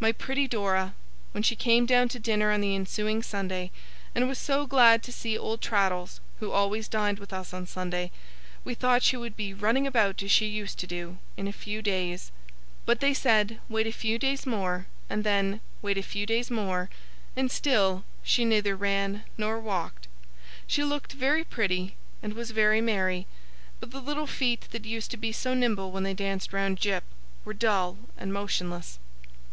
My pretty Dora! When she came down to dinner on the ensuing Sunday, and was so glad to see old Traddles (who always dined with us on Sunday), we thought she would be 'running about as she used to do', in a few days. But they said, wait a few days more; and then, wait a few days more; and still she neither ran nor walked. She looked very pretty, and was very merry; but the little feet that used to be so nimble when they danced round Jip, were dull and motionless.